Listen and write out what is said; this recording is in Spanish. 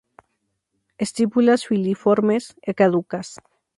Estípulas filiformes, caducas.